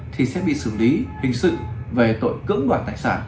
thì sẽ bị xử lý hình sự về tội cưỡng đoạt tài sản